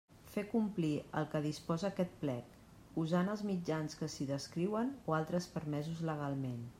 Fer complir el que disposa aquest Plec, usant els mitjans que s'hi descriuen o altres permesos legalment.